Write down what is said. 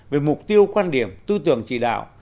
về mục tiêu quan điểm tư tưởng chỉ đạo